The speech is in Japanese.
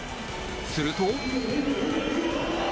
すると。